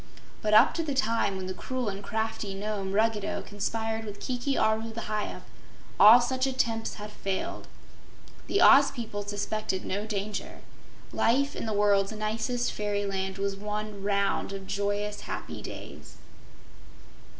But up to the time when the cruel and crafty Nome, Ruggedo, conspired with Kiki Aru, the Hyup, all such attempts had failed. The Oz people suspected no danger. Life in the world's nicest fairyland was one round of joyous, happy days.